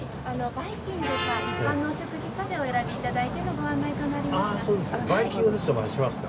バイキングか一般のお食事かでお選び頂いてのご案内となりますが。